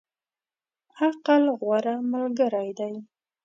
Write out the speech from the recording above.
عقل، غوره ملګری دی.